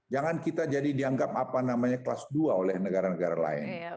jangan kita jadi dianggap apa namanya kelas dua oleh negara negara lain